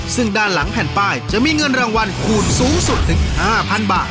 ซึ่งด้านหลังแผ่นป้ายจะมีเงินรางวัลคูณสูงสุดถึง๕๐๐๐บาท